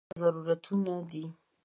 ژړا او خندا دواړه ضرورتونه دي.